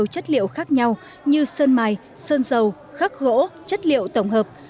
chất liệu khác nhau như sơn mài sơn dầu khắc gỗ chất liệu tổng hợp